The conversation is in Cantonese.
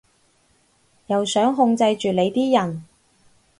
又想控制住你啲人